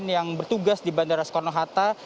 yang bertugas di bandara skorohata